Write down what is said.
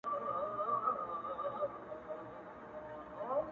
ډک گيلاسونه دي شرنگيږي ـ رېږدي بيا ميکده ـ